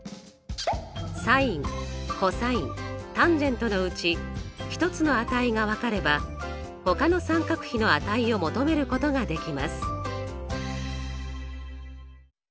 ｓｉｎｃｏｓｔａｎのうち１つの値が分かればほかの三角比の値を求めることができます。